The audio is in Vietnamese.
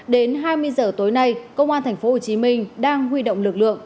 đến hai mươi giờ tối nay công an tp hcm đang huy động lực lượng